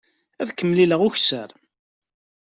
Ad kem-mlileɣ ukessar.